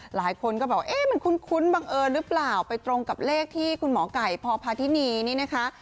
หลายคนก็แบบเอ๊ะมันคุ้นบังเอิญหรือเปล่าไปตรงกับเลขที่คุณหมอไก่พพาธินีนี่นะคะ